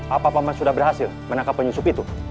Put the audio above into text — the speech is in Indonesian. apa pak man sudah berhasil menangkap penyusup itu